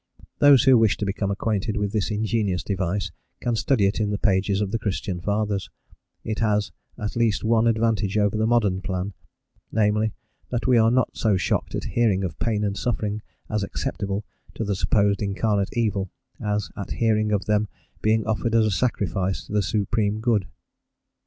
Those who wish to become acquainted with this ingenious device can study it in the pages of the Christian fathers: it has at least one advantage over the modern plan, namely, that we are not so shocked at hearing of pain and suffering as acceptable to the supposed incarnate evil, as at hearing of them being offered as a sacrifice to the supreme good.